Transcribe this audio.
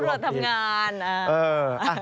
ตำรวจทำงาน